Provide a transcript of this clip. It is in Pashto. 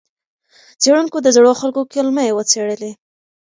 څېړونکو د زړو خلکو کولمې وڅېړلې.